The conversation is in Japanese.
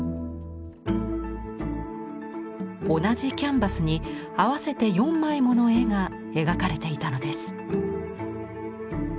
同じキャンバスに合わせて４枚もの絵が描かれていたのです。